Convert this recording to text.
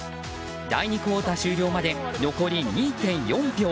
第２クオーター終了まで残り２．４秒。